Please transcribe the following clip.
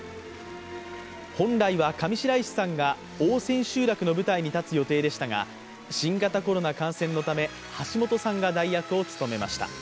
本来は上白石さんが大千秋楽の舞台に立つ予定でしたが新型コロナ感染のため、橋本さんが代役を務めました。